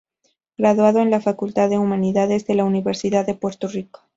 Graduado en la Facultad de Humanidades de la Universidad de Puerto Rico.